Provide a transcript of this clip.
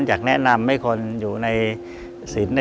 อยากแนะนำให้คนอยู่ในศิลป์